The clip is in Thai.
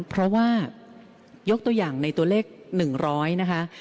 เพราะว่ายกตัวอย่างในตัวเลข๑๐๐นะคะ